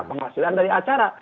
penghasilan dari acara